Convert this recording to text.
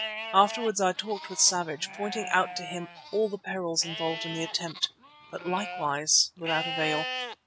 Afterwards I talked with Savage, pointing out to him all the perils involved in the attempt, but likewise without avail.